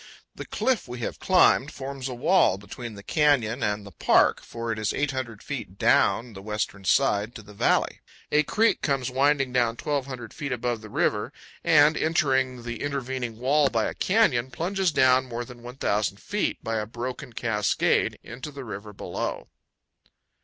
The cliff we have climbed forms a wall between the canyon and the park, for it is 800 feet down the western side to the valley. A creek comes winding down 1,200 feet above the river, and, entering the intervening wall by a canyon, plunges down more than 1,000 feet, by a broken cascade, into the river below.